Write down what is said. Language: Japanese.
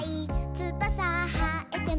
「つばさはえても」